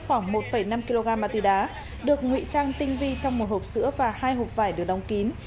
khoảng một năm kg ma túy đá được nguy trang tinh vi trong một hộp sữa và hai hộp vải được đóng kín